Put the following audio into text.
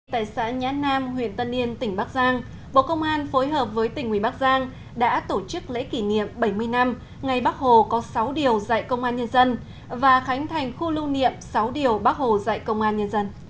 tại xã nhán nam huyện tân yên tỉnh bắc giang bộ công an phối hợp với tỉnh nguyễn bắc giang đã tổ chức lễ kỷ niệm bảy mươi năm ngày bắc hồ có sáu điều dạy công an nhân dân và khánh thành khu lưu niệm sáu điều bác hồ dạy công an nhân dân